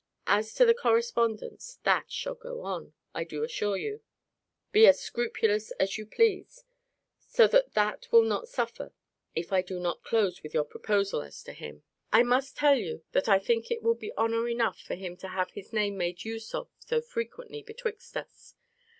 As to the correspondence, THAT shall go on, I do assure you, be as scrupulous as you please so that that will not suffer if I do not close with your proposal as to him. I must tell you, that I think it will be honour enough for him to have his name made use of so frequently betwixt us.